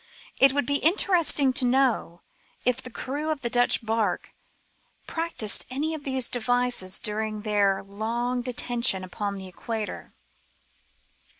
It would be interesting to know if the crew of the Dutch barque practised any of these devices during their long detention upon the Equator?